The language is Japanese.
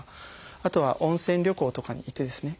あとは温泉旅行とかに行ってですね